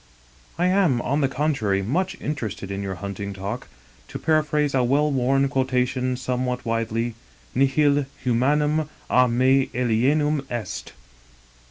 " I am, on the contrary, much interested in your hunting talk. To paraphrase a well worn quotation somewhat widely, nihil humanum a me alienum est.